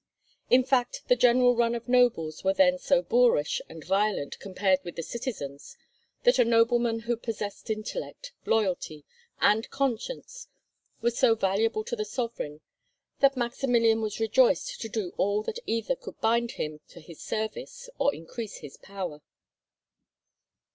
In fact, the general run of nobles were then so boorish and violent compared with the citizens, that a nobleman who possessed intellect, loyalty, and conscience was so valuable to the sovereign that Maximilian was rejoiced to do all that either could bind him to his service or increase his power.